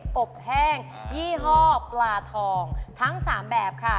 อบแห้งยี่ห้อปลาทองทั้ง๓แบบค่ะ